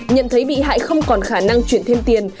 nhận thấy bị hại không còn khả năng chuyển thêm tiền